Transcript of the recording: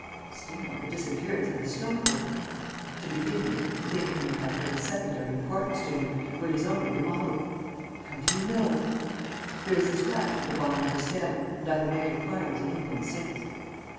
"Still, the disappearance of the stopper...." "To begin with, the thing can have had but a secondary importance for him, as it is only the model." "How do you know?" "There is a scratch at the bottom of the stem; and I have made inquiries in England since."